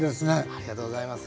ありがとうございます。